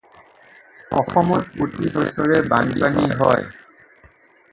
ভাৰতৰ পশ্চিম উপকূলত অৱস্থিত মুম্বাই এক স্বাভাৱিক সমুদ্ৰবন্দৰো।